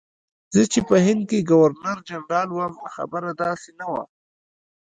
زه چې په هند کې ګورنرجنرال وم خبره داسې نه وه.